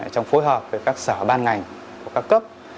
trong phối hợp với các sở ban ngành của các cấp